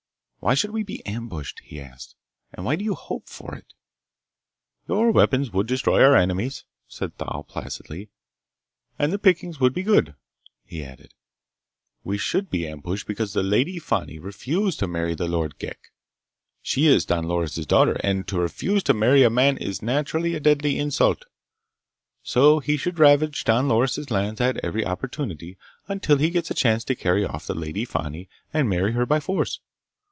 "Why should we be ambushed?" he asked. "And why do you hope for it?" "Your weapons would destroy our enemies," said Thal placidly, "and the pickings would be good." He added: "We should be ambushed because the Lady Fani refused to marry the Lord Ghek. She is Don Loris' daughter, and to refuse to marry a man is naturally a deadly insult. So he should ravage Don Loris' lands at every opportunity until he gets a chance to carry off the Lady Fani and marry her by force.